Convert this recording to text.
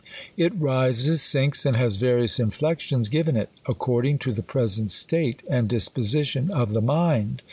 It rises, sinks, and has various inflections given it, according to the present state and disposition of the mind.